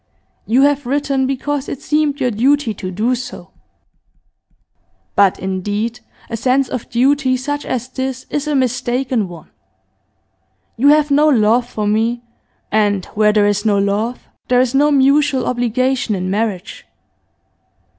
'You have written because it seemed your duty to do so. But, indeed, a sense of duty such as this is a mistaken one. You have no love for me, and where there is no love there is no mutual obligation in marriage.